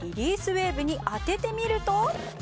ウェーブに当ててみると。